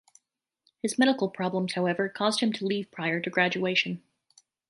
His medical problems, however, caused him to leave prior to graduation.